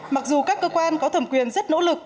mặc dù các cơ quan có thẩm quyền rất nỗ lực